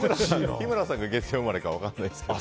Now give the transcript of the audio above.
日村さんが月曜日生まれか分からないですけど。